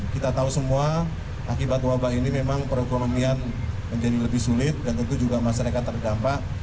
kita tahu semua akibat wabah ini memang perekonomian menjadi lebih sulit dan tentu juga masyarakat terdampak